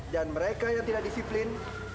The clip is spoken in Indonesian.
dan mereka yang tidak disiplin